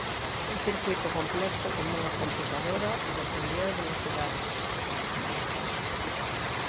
Un circuíto complexo como unha computadora dependía da velocidade.